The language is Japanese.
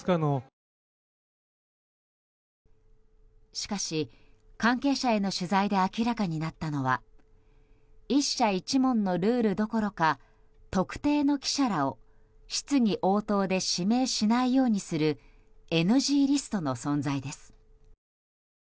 しかし、関係者への取材で明らかになったのは１社１問のルールどころか特定の記者らを質疑応答で指名しないようにするＮＧリストの存在です。